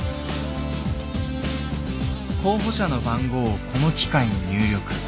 候補者の番号をこの機械に入力。